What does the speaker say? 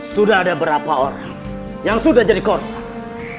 sudah ada berapa orang yang sudah jadi korban